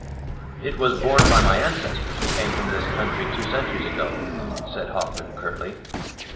"It was borne by my ancestors, who came from this country two centuries ago," said Hoffman, curtly.